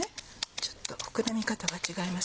ちょっと膨らみ方が違います。